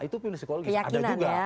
itu pun psikologis ada juga